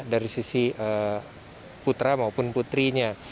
dari sisi putra maupun putrinya